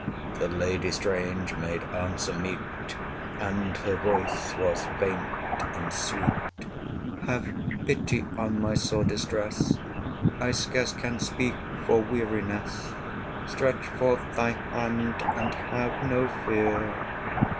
70 The lady strange made answer meet, And her voice was faint and sweet: Have pity on my sore distress, I scarce can speak for weariness: Stretch forth thy hand, and have no fear!